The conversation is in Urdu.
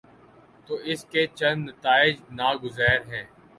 تو اس کے چند نتائج ناگزیر ہیں۔